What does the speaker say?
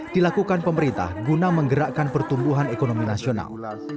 dilakukan pemerintah guna menggerakkan pertumbuhan ekonomi nasional